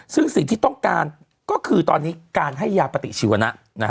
ซึ่งสิ่งที่ต้องการก็คือตอนนี้การให้ยาปฏิชีวนะ